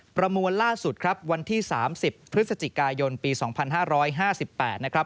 ประมวลล่าสุดครับวันที่๓๐พฤศจิกายนปี๒๕๕๘นะครับ